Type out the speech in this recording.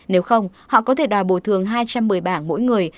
nếu không họ có thể đòi bồi thường hai trăm một mươi bảng mỗi người